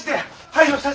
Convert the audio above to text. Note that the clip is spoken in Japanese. はい！